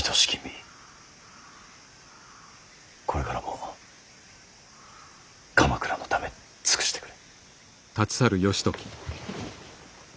これからも鎌倉のため尽くしてくれ。